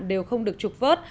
đều không được trục vớt